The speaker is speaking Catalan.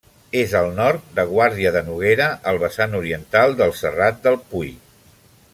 És al nord de Guàrdia de Noguera, al vessant oriental del Serrat del Pui.